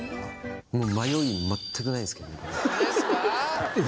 もう迷い全くないですけどね